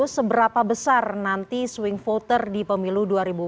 apakah suing voter besar nanti di pemilu dua ribu dua puluh empat